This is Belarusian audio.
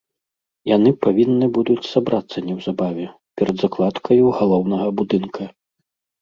Яны павінны будуць сабрацца неўзабаве, перад закладкаю галоўнага будынка.